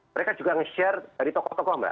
mereka juga nge share dari tokoh tokoh mbak